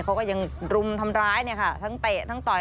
เขาก็ยังรุมทำร้ายเนี่ยค่ะทั้งเตะทั้งต่อย